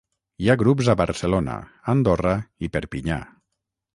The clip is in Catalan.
Hi ha grups a Barcelona, Andorra i Perpinyà.